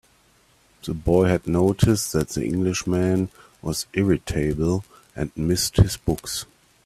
The boy had noticed that the Englishman was irritable, and missed his books.